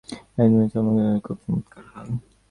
মা, এই শাকগুলার সঙ্গে সর্ষেবাটা খুব চমৎকার হয়।